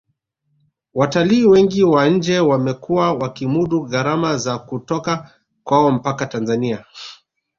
watalii wengi wa nje wamekuwa wakimudu gharama za kutoka kwao mpaka tanzania